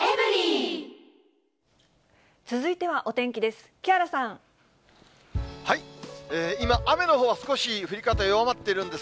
続いてはお天気です。